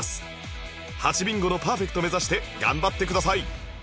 ８ビンゴのパーフェクト目指して頑張ってください